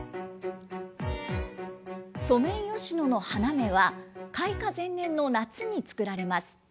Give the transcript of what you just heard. ソメイヨシノの花芽は、開花前年の夏に作られます。